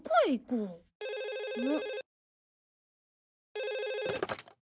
うん！